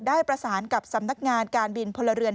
ได้ประสานกับสำนักงานการบินพลเรือน